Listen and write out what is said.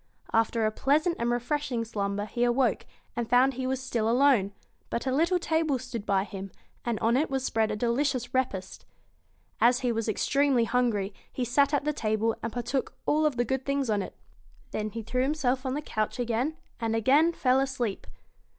After a pleasant and refreshing slumber he awoke, and found he was still alone; but a little table stood by him, and on it was spread a delicious repast. As he was extremely hungry, he sat at the table, and partook of all the good things on it. Then he threw himself on the couch again, and again fell asleep.